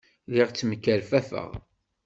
Lliɣ ttemkerfafeɣ.